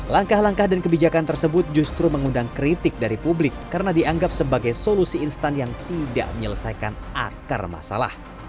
langkah langkah dan kebijakan tersebut justru mengundang kritik dari publik karena dianggap sebagai solusi instan yang tidak menyelesaikan akar masalah